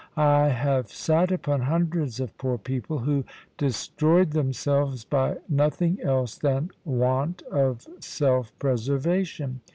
I have sate upon hundreds of poor people who destroyed themselves by nothing else than want of self preservation.